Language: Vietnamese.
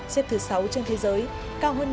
xếp thứ sáu trên thế giới cao hơn một triệu